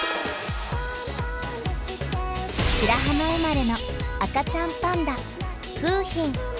白浜生まれの赤ちゃんパンダ楓浜。